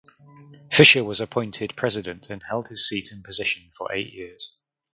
Fisher was appointed President and held his seat and position for eight years.